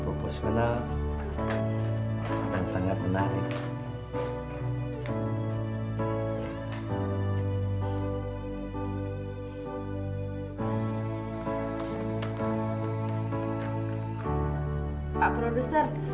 rp seratus juta sangat keras